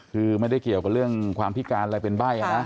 คือไม่ได้เกี่ยวกับเรื่องความพิการอะไรเป็นใบ้นะ